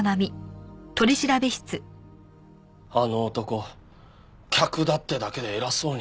あの男客だってだけで偉そうに。